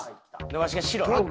わしが白な。